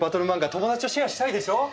友達とシェアしたいでしょ？